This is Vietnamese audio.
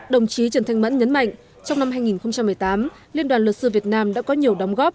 đồng chí trần thanh mẫn nhấn mạnh trong năm hai nghìn một mươi tám liên đoàn luật sư việt nam đã có nhiều đóng góp